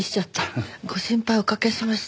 ご心配おかけしました。